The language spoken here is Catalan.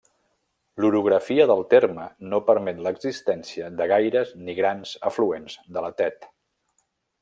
L'orografia del terme no permet l'existència de gaires, ni grans, afluents de la Tet.